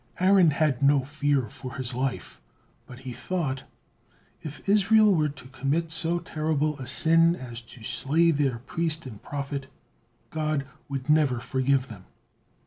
Aaron had no fear for his life, but he thought: "If Israel were to commit so terrible a sin as to slay their priest and prophet, God would never forgive them."